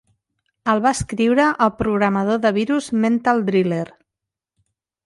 El va escriure el programador de virus "Mental Driller".